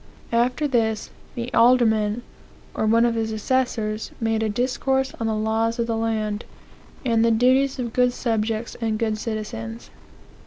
After this, the alderman, or one of his assessors, made a discourse on the laws of the land, and the duties of good subjects and good citizens.